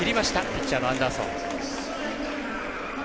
ピッチャーのアンダーソン。